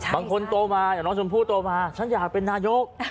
บางคนโตมาน้องสมภูตโตมาฉันอยากเป็นนายก